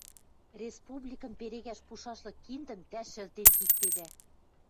Республикӹм перегӓш пушашлык киндӹм тӓ шӹлтен киктедӓ!..